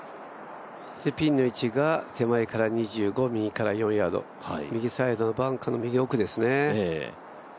ピンの位置が手前から２５右から４ヤード、右サイドのバンカーの右奥ですね。